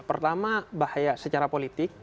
pertama bahaya secara politik